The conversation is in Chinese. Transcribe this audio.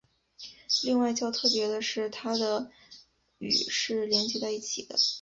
另外较特别的是它的与是连接在一起的。